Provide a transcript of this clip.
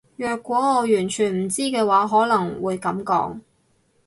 若果我完全唔知嘅話可能會噉講